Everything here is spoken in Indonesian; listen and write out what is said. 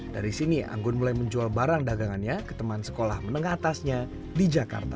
dari sini anggun mulai menjual barang dagangannya ke teman sekolah menengah atasnya di jakarta